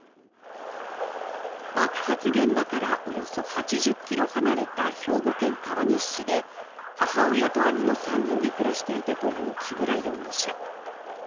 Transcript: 爆発現場からおよそ８０ｋｍ離れた兵庫県川西市で母親と兄の３人で暮らしていたという木村容疑者。